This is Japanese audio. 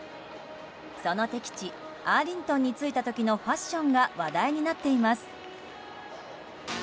その敵地アーリントンに着いた時のファッションが話題になっています。